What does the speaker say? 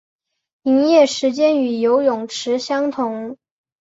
营业时间与泳池相同。